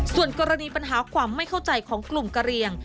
ส่วนกรณีปัญหาความไม่เข้าใจของกลุ่มกะเรียง